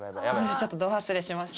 ちょっとど忘れしました。